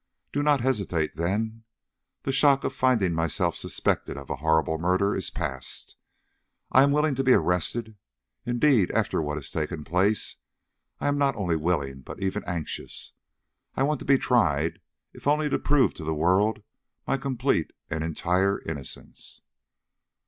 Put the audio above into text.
Do not hesitate, then. The shock of finding myself suspected of a horrible murder is passed. I am willing to be arrested. Indeed, after what has here taken place, I not only am willing but even anxious. I want to be tried, if only to prove to the world my complete and entire innocence."